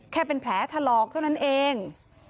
แค่เป็นแผลถลอกเท่านั้นเอง